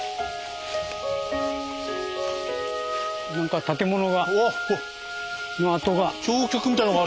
何か建物の跡が。